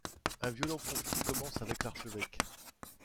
Un violent conflit commence avec l’archevêque.